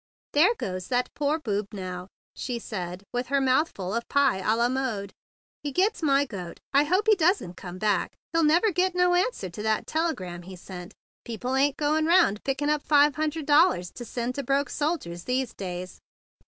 "There goes that poor boob now!" she said with her mouthful of pie a la mode. "He gets my goat! I hope he doesn't come back. He'll never get no answer to that telegram he sent. People ain't goin' round pickin' up five hun¬ dred dollarses to send to broke soldiers these days.